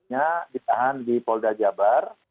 ya ditahan di polda jabar